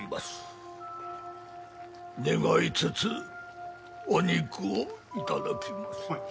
願いつつお肉を頂きます。